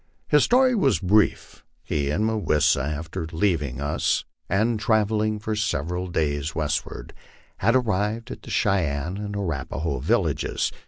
His story was brief. He and Mah wis sa, after leaving us and travelling for several days westward, had arrived at the Cheyenne and Arapaho villages.